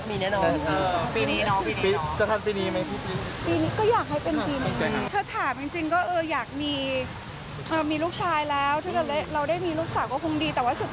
บำรุงด้วยแล้วก็ตั้งใจให้เขามีเวลาห่างกันนิดหนึ่ง